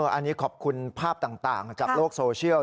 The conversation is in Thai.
อันนี้ขอบคุณภาพต่างจากโลกโซเชียล